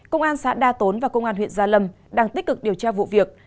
công an xã đa tốn và công an huyện gia lâm đang tích cực điều tra vụ việc